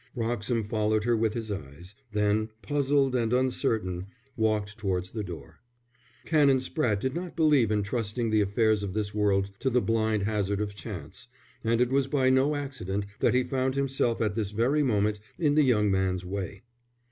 Wroxham followed her with his eyes, then, puzzled and uncertain, walked towards the door. Canon Spratte did not believe in trusting the affairs of this world to the blind hazard of chance, and it was by no accident that he found himself at this very moment in the young man's way.